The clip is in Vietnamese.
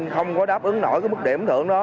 không có đáp ứng nổi cái mức điểm thưởng đó